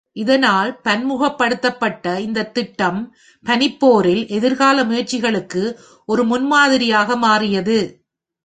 இதனால் பன்முகப்படுத்தப்பட்ட இந்த திட்டம் பனிப்போரில் எதிர்கால முயற்சிகளுக்கு ஒரு முன்மாதிரியாக மாறியது.